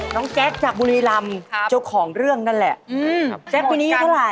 น้องแจ๊คจากมูนลิรำเจ้าของเรื่องนั่นแหละเดี๋ยวแจ๊คพินี่เท่าไร